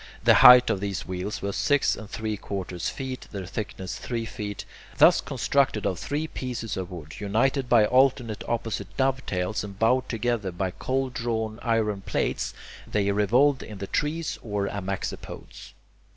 The height of these wheels was six and three quarters feet, their thickness three feet. Thus constructed of three pieces of wood, united by alternate opposite dovetails and bound together by cold drawn iron plates, they revolved in the trees or amaxopodes.